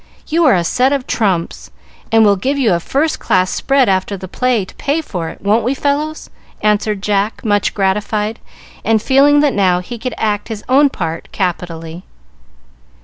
You are a set of trumps, and we'll give you a first class spread after the play to pay for it. Won't we, fellows?" answered Jack, much gratified, and feeling that now he could act his own part capitally.